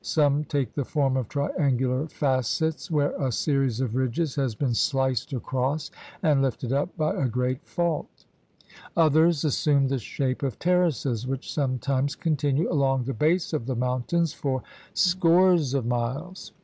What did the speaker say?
Some take the form of triangular facets, where a series of ridges has been sliced across and lifted up by a great fault. Others as sume the shape of terraces which sometimes con tinue along the base of the mountains for scores of GEOGRAPHIC PROVINCES 79 miles.